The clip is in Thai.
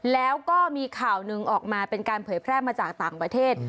แล้วก็มีข่าวหนึ่งออกมาเป็นการเผยแพร่มาจากต่างประเทศ